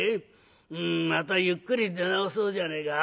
またゆっくり出直そうじゃねえか。